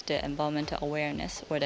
dan untuk menyelesaikan masalah tersebut